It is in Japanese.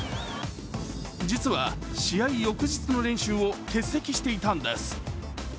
実は、試合翌日の練習を欠席していたんです。